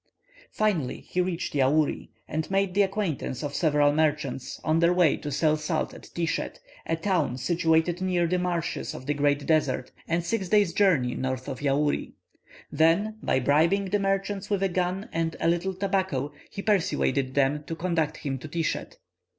Finally he reached Yaouri, and made the acquaintance of several merchants, on their way to sell salt at Tischet, a town situated near the marshes of the great desert, and six days' journey north of Yaouri. Then, by bribing the merchants with a gun and a little tobacco, he persuaded them to conduct him to Tischet.